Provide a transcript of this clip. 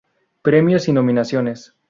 Premios y nominaciones